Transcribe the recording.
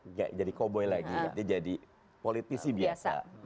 nggak jadi koboi lagi dia jadi politisi biasa